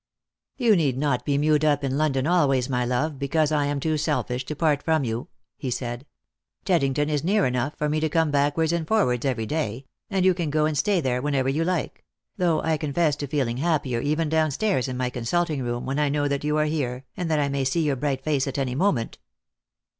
" You need not be mewed up in London always, my love, because I am too selfish to part from you," he said. " Tedding ton is near enough for me to come backwards and forwards every day, and you can go and stay there whenever you like; though I confess to feeling happier even down stairs in my consulting room when I know that you are here, and that I may see your bright face at any moment."